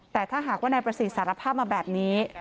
แต่ถ้าหากว่านายประสิทธิ์สารภาพมาแบบนี้